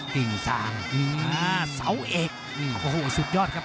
กิ่งสางเสาเอกนี่โอ้โหสุดยอดครับ